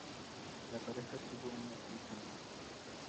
La pareja tuvo una hija más.